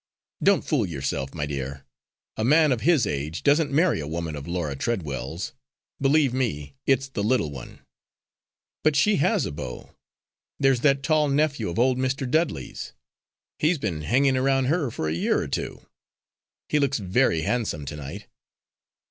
"Don't fool yourself, my dear. A man of his age doesn't marry a woman of Laura Treadwell's. Believe me, it's the little one." "But she has a beau. There's that tall nephew of old Mr. Dudley's. He's been hanging around her for a year or two. He looks very handsome to night."